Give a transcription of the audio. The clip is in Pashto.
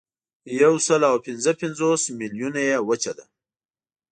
یوسلاوپینځهپنځوس میلیونه یې وچه ده.